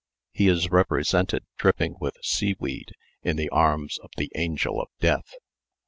He is represented, dripping with seaweed, in the arms of the Angel of Death.